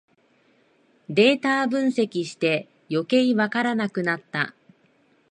データ分析してよけいわからなくなった